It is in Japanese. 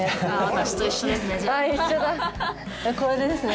私と一緒ですね。